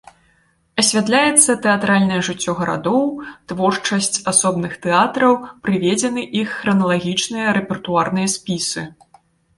Асвятляюцца тэатральнае жыццё гарадоў, творчасць асобных тэатраў, прыведзены іх храналагічныя рэпертуарныя спісы.